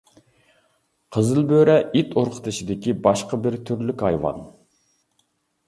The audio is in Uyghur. قىزىل بۆرە ئىت ئۇرۇقدىشىدىكى باشقا بىر تۈرلۈك ھايۋان.